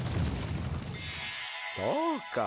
そうか！